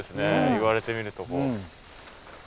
言われてみると。